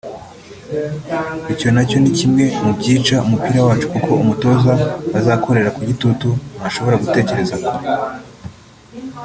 Icyo nacyo ni kimwe mu byica umupira wacu kuko umutoza azakorera ku gitutu ntashobora gutekereza kure